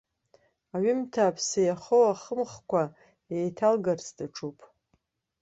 Аҩымҭа аԥсы иахоу ахымхкәа еиҭалгарц даҿуп.